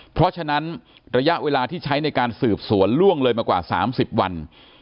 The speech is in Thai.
เพราะฉะนั้นระยะเวลาที่ใช้ในการสืบสวนล่วงเลยมากว่า๓๐วัน